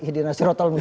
ke jalan yang benar